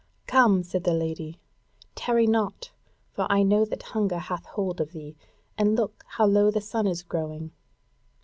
"Come," said the Lady, "tarry not, for I know that hunger hath hold of thee, and look, how low the sun is growing!"